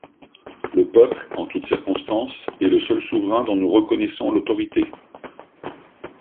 Le peuple, en toute circonstance, est le seul souverain dont nous reconnaissons l’autorité.